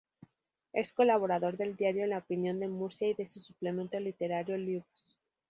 Es colaborador del diario "La Opinión de Murcia" y de su suplemento literario "Libros".